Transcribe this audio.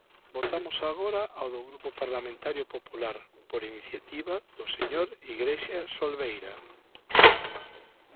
Votamos agora a do Grupo Parlamentario Popular por iniciativa do señor Igrexa Solbeira.